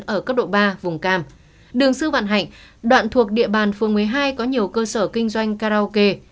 ở cấp độ ba vùng cam đường sư vạn hạnh đoạn thuộc địa bàn phường một mươi hai có nhiều cơ sở kinh doanh karaoke